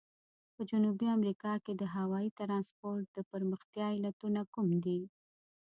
په جنوبي امریکا کې د هوایي ترانسپورت د پرمختیا علتونه کوم دي؟